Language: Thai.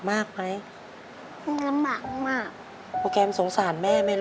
โปแกมเคยเห็นแม่ร้องไห้บ่อยไหม